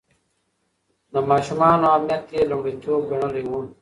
د ماشومانو امنيت يې لومړيتوب ګڼلی و.